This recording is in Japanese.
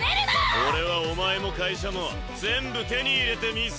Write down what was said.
俺はお前も会社も全部手に入れてみせるぞ。